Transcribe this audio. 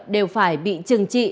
đều phải bị trừng trị